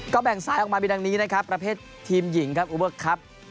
ก็แบ่งสายออกมามีดังนี้นะครับประเภททีมหญิงครับอูเบอร์ครับ